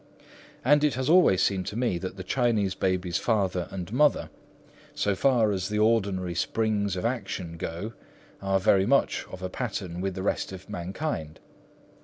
And it has always seemed to me that the Chinese baby's father and mother, so far as the ordinary springs of action go, are very much of a pattern with the rest of mankind.